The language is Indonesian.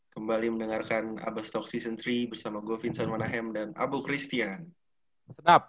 kembali mendengarkan abastalk season tiga bersama gue vincent manahem dan abu christian